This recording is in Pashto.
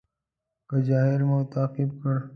که جاهل مو تعقیب کړ.